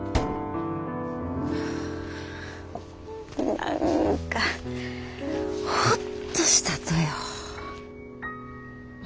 何かホッとしたとよ。